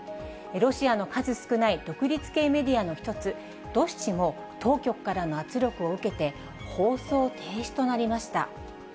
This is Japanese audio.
ロシアの数少ない独立系メディアの１つ、ドシチも当局からの圧力を受けて、放送停止となりました。